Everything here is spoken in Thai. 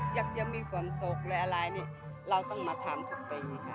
อยากเจอมีความสุขอะไรอะไรนี่เราต้องมาทำถึงไป